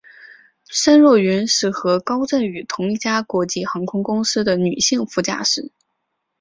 申若云是和高振宇同一家国际航空公司的女性副驾驶。